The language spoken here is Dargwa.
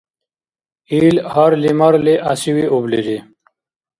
Ил, гьарли-марли, гӀясивиублири.